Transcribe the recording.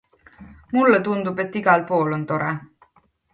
Mulle tundub, et igal pool on tore.